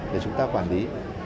để chúng ta quản lý